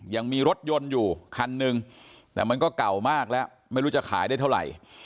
ยังมีรถยนต์อยู่คันนึงแต่มันก็เก่ามากแล้วไม่รู้จะขายได้เท่าไหร่